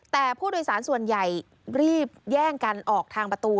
แต่ผู้โดยสารส่วนใหญ่รีบแย่งกันออกทางประตู